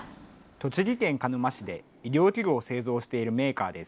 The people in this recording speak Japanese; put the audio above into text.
栃木県鹿沼市で医療器具を製造しているメーカーです。